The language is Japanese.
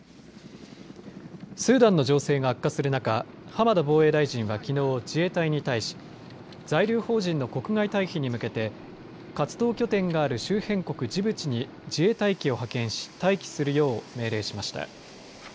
スーダンの情勢が悪化する中、浜田防衛大臣はきのう自衛隊に対し在留邦人の国外退避に向けて活動拠点がある周辺国、ジブチに自衛隊機を派遣し待機するよう命令しました。